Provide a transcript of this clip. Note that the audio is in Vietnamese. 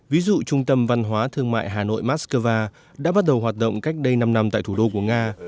ví dụ trung tâm văn hóa thương mại hà nội mát xcơ va đã bắt đầu hoạt động cách đây năm năm tại thủ đô của nga